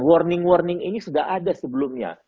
warning warning ini sudah ada sebelumnya